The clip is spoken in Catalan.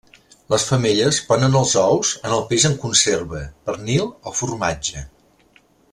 Les femelles ponen els ous en el peix en conserva, pernil o formatge.